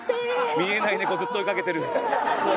見えない猫ずっと追いかけてる。